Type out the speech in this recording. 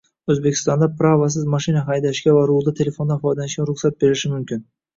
O‘zbekistonda “prava”siz mashina haydashga va rulda telefondan foydalanishga ruxsat berilishi mumkin